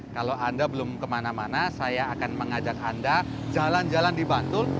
kalau anda belum kemana mana saya akan mengajak anda jalan jalan di bantul